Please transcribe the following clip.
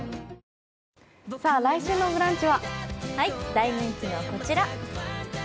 大人気のこちら。